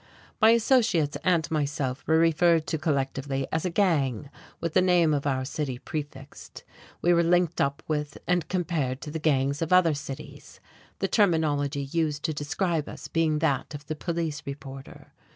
My associates and myself were referred to collectively as a "gang," with the name of our city prefixed; we were linked up with and compared to the gangs of other cities the terminology used to describe us being that of the police reporter.